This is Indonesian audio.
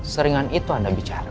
seringan itu anda bicara